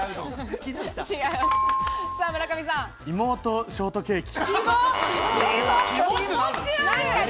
妹ショートケーキ。